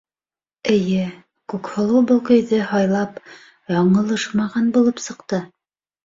Эйе, Күкһылыу был көйҙө һайлап яңылышмаған булып сыҡты.